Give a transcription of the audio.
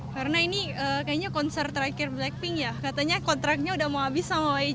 karena ini kayaknya konser terakhir blackpink ya katanya kontraknya udah mau habis sama yg